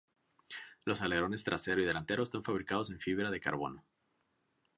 Los alerones trasero y delantero están fabricados en fibra de carbono.